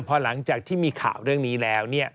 พอหลังจากที่มีข่าวเรื่องนี้แล้ว